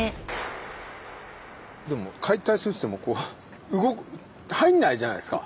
でも解体するっつってもこう入んないじゃないですか？